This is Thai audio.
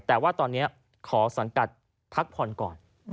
แต่ว่าตอนนี้ขอสังกัดพักผ่อนก่อน